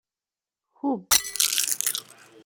Kubb.